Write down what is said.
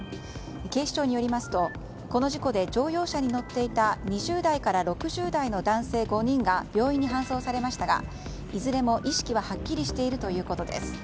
警視庁によりますとこの事故で乗用車に乗っていた２０代から６０代の男性５人が病院に搬送されましたがいずれも意識ははっきりしているということです。